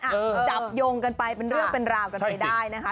จับโยงกันไปเป็นเรื่องเป็นราวกันไปได้นะคะ